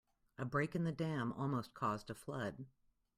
A break in the dam almost caused a flood.